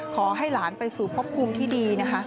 ขอให้หลานไปสู่พบภูมิที่ดีนะคะ